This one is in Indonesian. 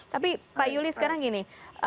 tapi pak yuli sekarang gini